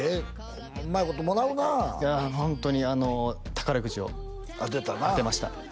ホンマうまいこともらうなあいやホントに宝くじを当てたなあ当てました